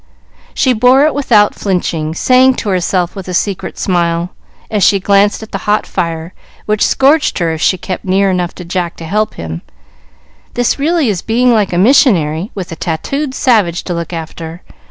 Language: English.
She bore it without flinching, saying to herself with a secret smile, as she glanced at the hot fire, which scorched her if she kept near enough to Jack to help him, "This really is being like a missionary, with a tattooed savage to look after.